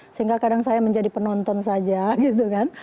sehingga kadang saya menjadi penonton saja gitu kan